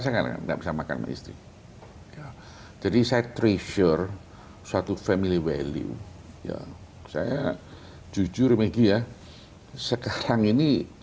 saya nggak bisa makan istri jadi saya treasure suatu family value saya jujur media sekarang ini